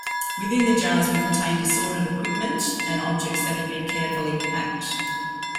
Within the jars were contained assorted equipment and objects that had been carefully packed.